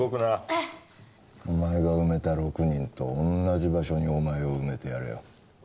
あっお前が埋めた６人と同じ場所にお前を埋めてやるよ